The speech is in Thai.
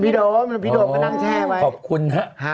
โดมพี่โดมก็นั่งแช่ไว้ขอบคุณฮะ